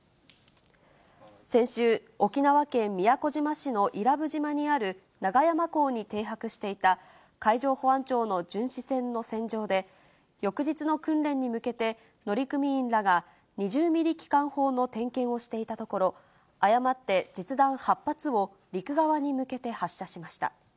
先週、沖縄県宮古島市の伊良部島にある長山港に停泊していた海上保安庁の巡視船の船上で、翌日の訓練に向けて、乗組員らが２０ミリ機関砲の点検をしていたところ、誤って実弾８発を陸側に向けて発射しました。